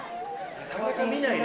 なかなか見ないね